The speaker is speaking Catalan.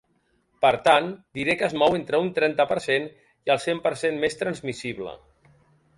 Per tant, diré que es mou entre un trenta per cent i el cent per cent més transmissible.